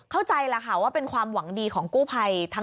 เข้าใจแหละค่ะว่าเป็นความหวังดีของกู้ภัย